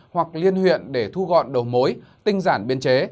hoặc liên huyện để thu gọn đầu mối tinh giản biên chế